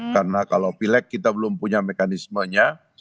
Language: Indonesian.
karena kalau pileg kita belum punya mekanismenya